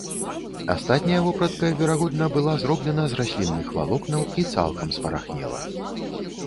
Астатняя вопратка, верагодна, была зроблена з раслінных валокнаў і цалкам спарахнела.